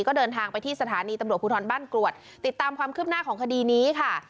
ก็เดินทางไปที่สถานีตำรวจภูทรบ้านกรวดติดตามความคืบหน้าของคดีนี้ค่ะ